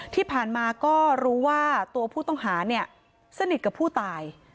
ที่ผ่านมาก็รู้ว่าตัวผู้ต้องหาเนี่ยสนิทกับผู้ตาย